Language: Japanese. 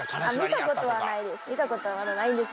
見たことはないです。